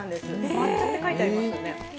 抹茶って書いてありますよね。